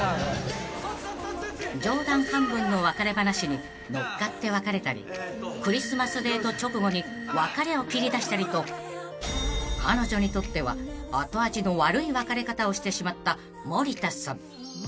［冗談半分の別れ話に乗っかって別れたりクリスマスデート直後に別れを切り出したりと彼女にとっては後味の悪い別れ方をしてしまった森田さん］